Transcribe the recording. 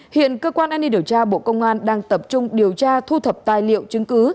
hiện cơ quan an ninh điều tra bộ công an đang tập trung điều tra thu thập tài liệu chứng cứ